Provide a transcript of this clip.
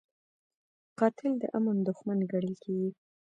قاتل د امن دښمن ګڼل کېږي